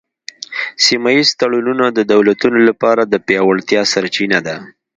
سیمه ایز تړونونه د دولتونو لپاره د پیاوړتیا سرچینه ده